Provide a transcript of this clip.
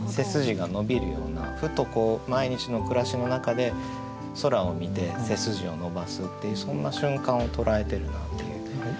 ふと毎日の暮らしの中で空を見て背筋を伸ばすっていうそんな瞬間を捉えてるなっていう。